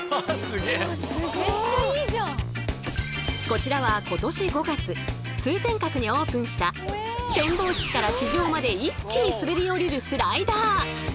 こちらは今年５月通天閣にオープンした展望室から地上まで一気にすべり下りるスライダー。